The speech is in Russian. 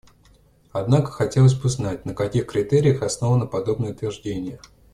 Однако хотелось бы знать, на каких критериях основано подобное утверждение.